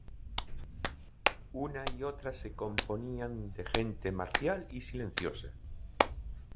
una y otra se componían de gente marcial y silenciosa: